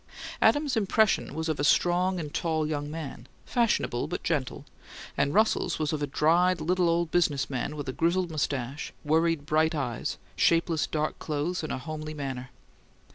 Adams's impression was of a strong and tall young man, fashionable but gentle; and Russell's was of a dried, little old business man with a grizzled moustache, worried bright eyes, shapeless dark clothes, and a homely manner.